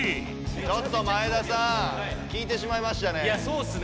ちょっと前田さんきいてしまいましたね。